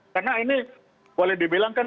karena ini boleh dibilang kan